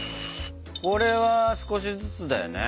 これは少しずつだよね？